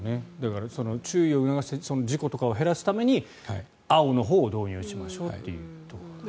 注意を促して事故とかを減らすために青のほうを導入しましょうというところなんですね。